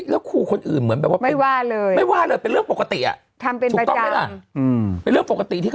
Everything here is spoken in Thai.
แล้วคู่คนอื่นเหมือนแบบว่าเป็นไม่ว่าเลยเป็นเรื่องปกติ